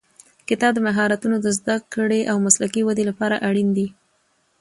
کتاب د مهارتونو د زده کړې او مسلکي ودې لپاره اړین دی.